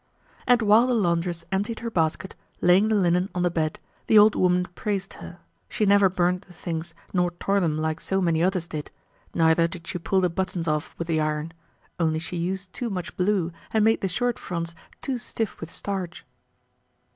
And while the laundress emptied her basket, laying the linen on the bed, the old woman praised her; she never burnt the things nor tore them like so many others did, neither did she pull the buttons off with the iron; only she used too much blue and made the shirt fronts too stiff with starch.